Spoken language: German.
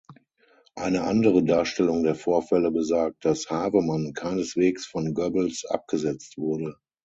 Eine andere Darstellung der Vorfälle besagt, dass Havemann keineswegs von Goebbels abgesetzt wurde.